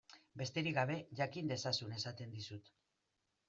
Besterik gabe, jakin dezazun esaten dizut.